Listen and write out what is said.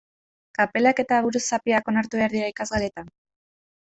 Kapelak eta buruzapiak onartu behar dira ikasgeletan?